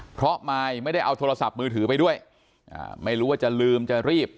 เพราะมายไม่ได้เอาโทรศัพท์มือถือไปด้วยไม่รู้ว่าจะลืมจะรีบ